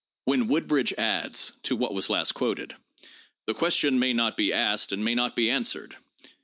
When Woodbridge adds (to what was last quoted) : "The ques tion may not be asked and may not be answered.